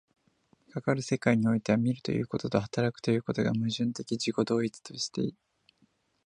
かかる世界においては、見るということと働くということとが矛盾的自己同一として、